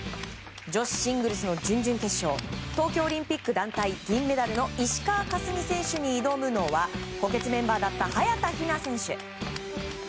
女子シングルスの準々決勝東京オリンピック団体銀メダルの石川佳純選手に挑むのは補欠メンバーだった早田ひな選手。